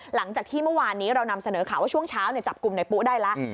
หลังจากที่เมื่อวานนี้เรานำเสนอข่าวว่าช่วงเช้าจับกลุ่มในปุ๊ได้แล้ว